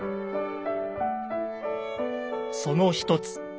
その１つ。